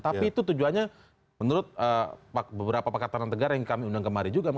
tapi itu tujuannya menurut beberapa pakatan negara yang kami undang kemarin juga